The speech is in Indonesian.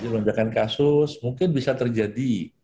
lonjakan kasus mungkin bisa terjadi